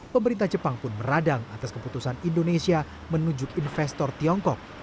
pemerintah jepang pun meradang atas keputusan indonesia menunjuk investor tiongkok